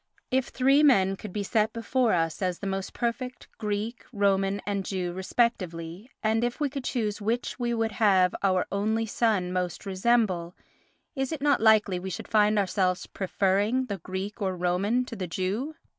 If three men could be set before us as the most perfect Greek, Roman and Jew respectively, and if we could choose which we would have our only son most resemble, is it not likely we should find ourselves preferring the Greek or Roman to the Jew?